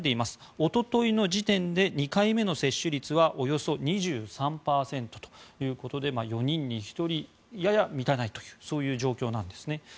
おとといの時点で２回目の接種率は２３％で４人に１人にやや満たないという状況なんですね。